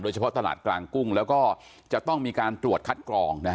เฉพาะตลาดกลางกุ้งแล้วก็จะต้องมีการตรวจคัดกรอง